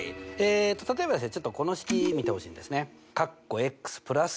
例えばですねちょっとこの式見てほしいんですね。